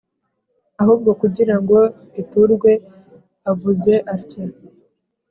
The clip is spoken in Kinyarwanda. ahubwo kugira ngo iturwe; avuze atya :